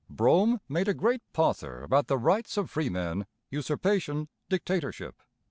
Brougham made a great pother about the rights of freemen, usurpation, dictatorship.